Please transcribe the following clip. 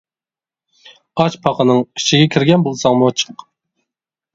ئاچ پاقىنىڭ ئىچىگە كىرگەن بولساڭمۇ چىق.